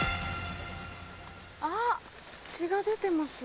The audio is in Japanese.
あっ血が出てます。